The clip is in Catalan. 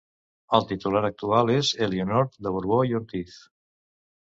La titular actual és Elionor de Borbó i Ortiz.